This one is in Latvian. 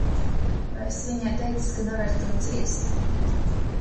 Vai esi viņai teicis, ka nevari to ciest?